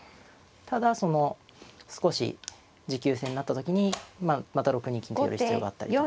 ただその少し持久戦になった時にまあまた６二金と寄る必要があったりとか。